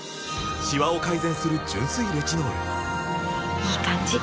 いい感じ！